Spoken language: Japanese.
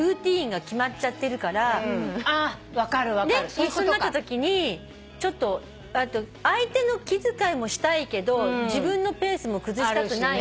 一緒になったときにちょっと相手の気遣いもしたいけど自分のペースも崩したくないし。